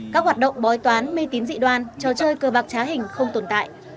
các hoạt động bói toán mê tín dị đoàn trò chơi cơ bạc trá hình không tồn tại